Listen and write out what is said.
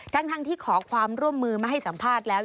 ทั้งที่ขอความร่วมมือมาให้สัมภาษณ์แล้ว